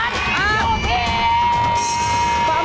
อยู่ที่